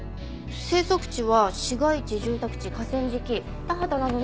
生息地は市街地住宅地河川敷田畑などの農耕地。